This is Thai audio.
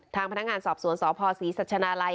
ทางพนักงานสอบสวนสพศรีสัชนาลัย